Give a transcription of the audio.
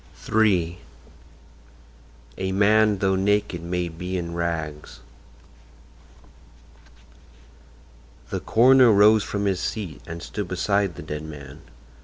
III A MAN THOUGH NAKED MAY BE IN RAGS The coroner rose from his seat and stood beside the dead man.